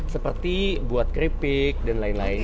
seperti buat keripik dan lain lain